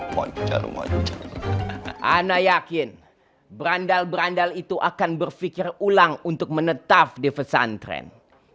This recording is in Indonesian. mancar mancar ana yakin brandal brandal itu akan berpikir ulang untuk menetap di pesantren